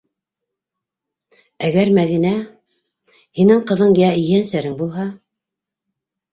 Әгәр Мәҙинә... һинең ҡыҙың, йә ейәнсәрең булһа...